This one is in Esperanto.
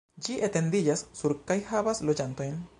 Ĝi etendiĝas sur kaj havas loĝantojn.